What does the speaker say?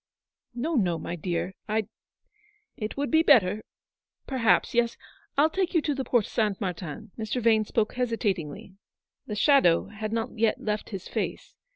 " No, no, my dear — I'd — it would be better — perhaps. Yes, Fll take you to the Porte St. Martin." Mr. Vane spoke hesitatingly. The shadow had not yet left his face.